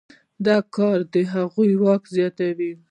دا کار د هغوی واک زیاتوي.